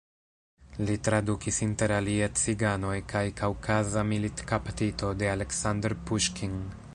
Li tradukis interalie: "Ciganoj" kaj "Kaŭkaza militkaptito" de Aleksandr Puŝkin.